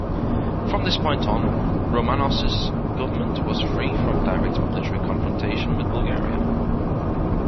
From this point on, Romanos' government was free from direct military confrontation with Bulgaria.